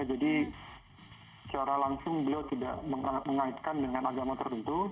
jadi secara langsung beliau tidak mengaitkan dengan agama tertentu